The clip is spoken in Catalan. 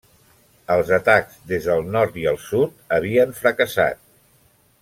Els atacs des del nord i el sud havien fracassat.